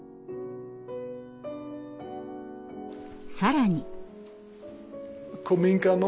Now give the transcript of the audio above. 更に。